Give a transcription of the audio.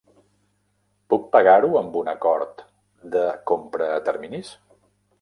Puc pagar-ho amb un acord de compra a terminis?